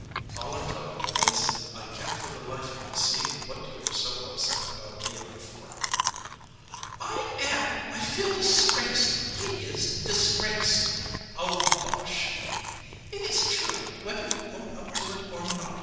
All I m driving at is, I can t for the life of me see what you are so upset about Leon for." "I am. I feel disgraced. He is disgraced." "Oh, bosh!" "It is true, whether you own up to it or not.